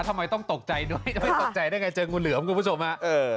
ทำไมต้องตกใจด้วยจะไม่ตกใจได้ไงเจองูเหลือมคุณผู้ชมฮะเออ